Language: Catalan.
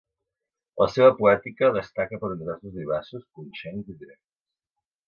La seua poètica destaca per uns versos vivaços, punxents i directes.